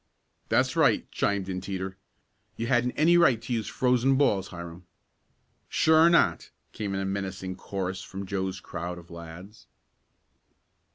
"That's right," chimed in Teeter. "You hadn't any right to use frozen balls, Hiram." "Sure not!" came in a menacing chorus from Joe's crowd of lads.